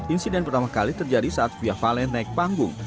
insiden pertama kali terjadi saat fia valen naik panggung